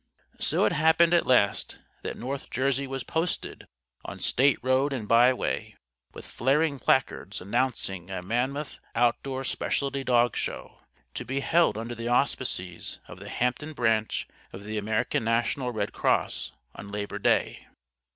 So it happened at last that North Jersey was posted, on state road and byway, with flaring placards announcing a Mammoth Outdoor Specialty Dog show, to be held under the auspices of the Hampton Branch of the American National Red Cross, on Labor Day.